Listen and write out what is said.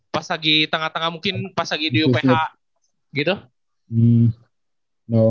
pas lagi tengah tengah mungkin pas lagi di uph gitu